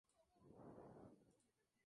El actual ministro es Carlos Morán Soto.